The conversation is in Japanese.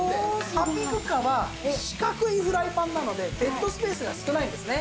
ハッピークッカーは四角いフライパンなのでデッドスペースが少ないんですね。